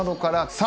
さあ。